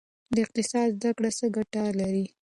د اقتصاد زده کړه څه ګټه لري؟